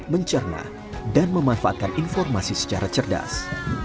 mencerna dan memanfaatkan informasi secara cerdas